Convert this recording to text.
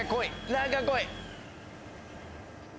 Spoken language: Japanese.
何かこい！